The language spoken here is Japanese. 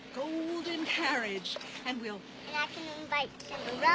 おばあちゃん！